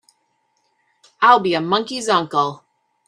I'll be a monkey's uncle!